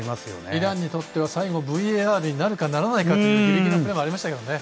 イランにとっては最後ＶＡＲになるかならないかというようなギリギリのプレーもありましたね。